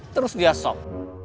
terus dia shock